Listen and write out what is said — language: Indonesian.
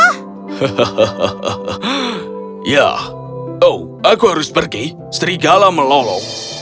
hahaha ya oh aku harus pergi serigala melolong